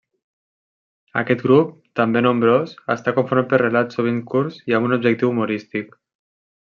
Aquest grup, també nombrós, està conformat per relats sovint curts i amb un objectiu humorístic.